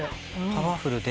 パワフルで。